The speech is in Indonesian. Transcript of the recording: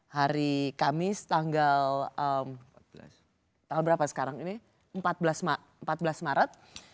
hari kamis tanggal empat belas maret